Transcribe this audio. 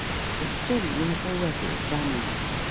The string we have already examined.